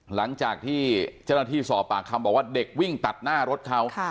หลังจากที่เจ้าหน้าที่สอบปากคำบอกว่าเด็กวิ่งตัดหน้ารถเขา